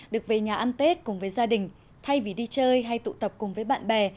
được về nhà ăn tết cùng với gia đình thay vì đi chơi hay tụ tập cùng với bạn bè